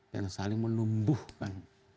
yang saling menumbuhkan